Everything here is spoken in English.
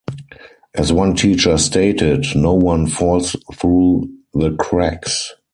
As one teacher stated, No one falls through the cracks.